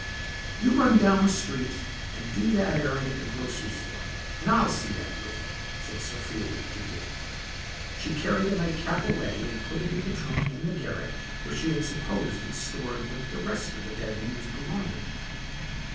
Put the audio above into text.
"You run down street and do that errand at the grocer's for me and I'll see that room," said Sophia with dignity. She carried the nightcap away and put it in the trunk in the garret where she had supposed it stored with the rest of the dead woman's belongings.